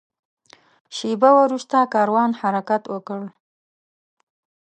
شېبه وروسته کاروان حرکت وکړ.